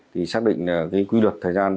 thì xác định quy luật thời gian